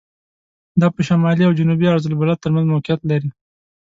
دا په شمالي او جنوبي عرض البلد تر منځ موقعیت لري.